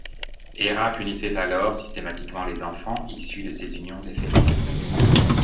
Héra punissait alors systématiquement les enfants issus de ces unions éphémères.